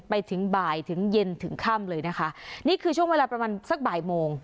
ไปถึงบ่ายถึงเย็นถึงค่ำเลยนะคะนี่คือช่วงเวลาประมาณสักบ่ายโมง